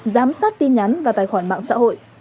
giám sát tin nhắn và tài khoản mạng xã hội